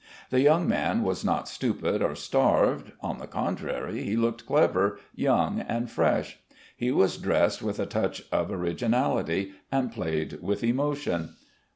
The young man was not stupid or starved, on the contrary he looked clever, young and fresh. He was dressed with a touch of originality, and played with emotion.